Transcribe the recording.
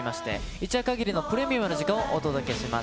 一夜限りのプレミアムな時間をお届けします。